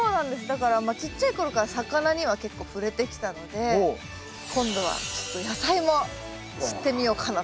だからちっちゃいころから魚には結構触れてきたので今度はちょっと野菜も知ってみようかなという。